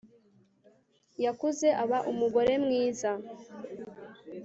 Yakuze aba umugore mwiza